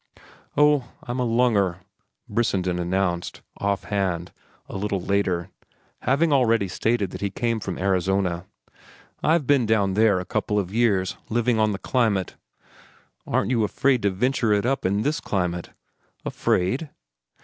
"Oh, I'm a lunger," Brissenden announced, offhand, a little later, having already stated that he came from Arizona. "I've been down there a couple of years living on the climate." "Aren't you afraid to venture it up in this climate?" "Afraid?"